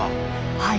はい。